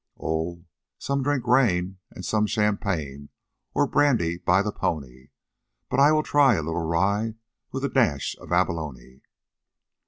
"Oh! some drink rain and some champagne Or brandy by the pony; But I will try a little rye With a dash of abalone.